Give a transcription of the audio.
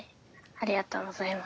ありがとうございます。